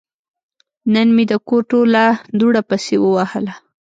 نن مې د کور ټوله دوړه پسې ووهله.